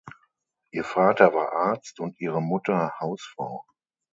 Ihr Vater war Arzt und ihre Mutter Hausfrau.